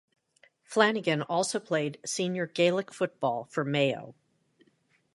Flanagan also played senior Gaelic football for Mayo.